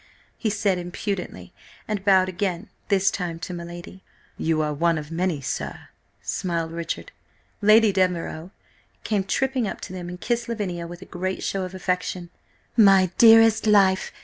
he said impudently, and bowed again, this time to my lady. "You are one of many, sir," smiled Richard. Lady Devereux came tripping up to them, and kissed Lavinia with a great show of affection. "My dearest life!